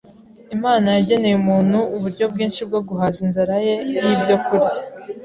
Imana yageneye umuntu uburyo bwinshi bwo guhaza inzara ye y’ibyokurya.